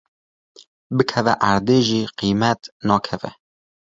bikeve erdê jî qîmet nakeve.